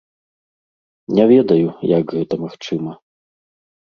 Не ведаю, як гэта магчыма.